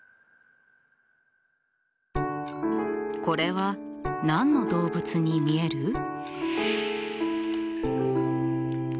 これは何の動物に見える？